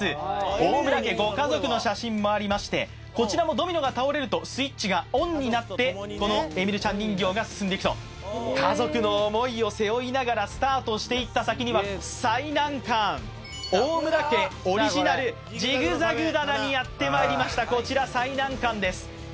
大村家ご家族の写真もありましてこちらもドミノが倒れるとスイッチがオンになってこのエミルちゃん人形が進んでいくと家族の思いを背負いながらスタートしていった先には最難関大村家オリジナルジグザグ棚にやってまいりましたこちら最難関です